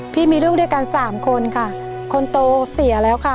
พี่มีลูกด้วยกันสามคนค่ะคนโตเสียแล้วค่ะ